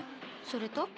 それと？